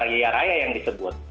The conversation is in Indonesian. raya raya yang disebut